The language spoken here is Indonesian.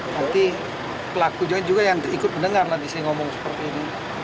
nanti pelakunya juga yang ikut mendengar nanti saya ngomong seperti ini